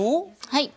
はい。